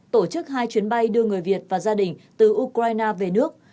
tổ chức hai chuyến bay đưa người việt và gia đình từ ukraine về nước